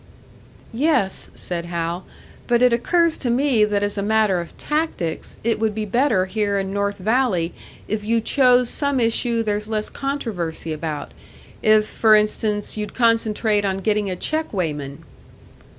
"Yes," said Hal; "but it occurs to me that as a matter of tactics, it would be better here in North Valley if you chose some issue there's less controversy about; if, for instance, you'd concentrate on getting a check weighman."